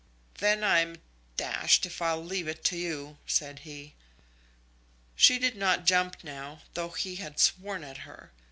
"Then I'm d if I'll leave it to you," said he. She did not jump now, though he had sworn at her.